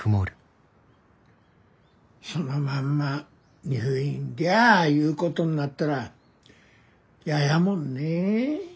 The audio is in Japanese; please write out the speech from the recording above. そのまんま入院でゃあいうことになったら嫌やもんねえ？